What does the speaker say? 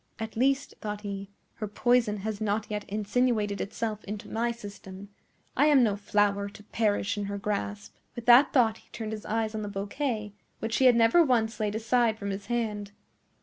"At least," thought he, "her poison has not yet insinuated itself into my system. I am no flower to perish in her grasp." With that thought he turned his eyes on the bouquet, which he had never once laid aside from his hand.